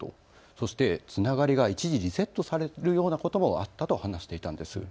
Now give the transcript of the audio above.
そしてつながりが一時、リセットされるようなこともあったと話していたんです。